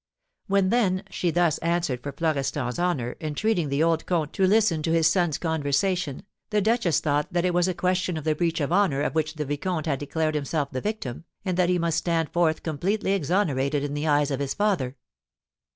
When, then, she thus answered for Florestan's honour, entreating the old comte to listen to his son's conversation, the duchess thought that it was a question of the breach of honour of which the vicomte had declared himself the victim, and that he must stand forth completely exonerated in the eyes of his father.